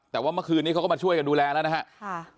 แต่ว่าเมื่อคืนนี้เขาก็มาช่วยกันดูแลแล้วนะครับ